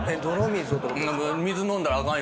「水飲んだらあかん」